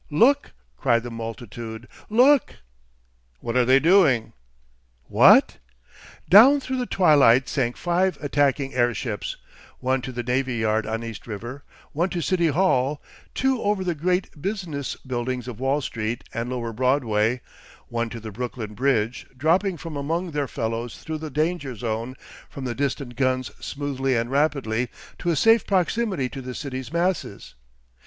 "Look!" cried the multitude; "look!" "What are they doing?" "What?"... Down through the twilight sank five attacking airships, one to the Navy Yard on East River, one to City Hall, two over the great business buildings of Wall Street and Lower Broadway, one to the Brooklyn Bridge, dropping from among their fellows through the danger zone from the distant guns smoothly and rapidly to a safe proximity to the city masses.